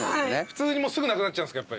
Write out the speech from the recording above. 普通にすぐなくなっちゃうんすか？